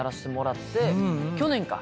去年か。